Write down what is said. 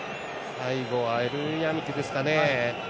最後はエルヤミクですかね。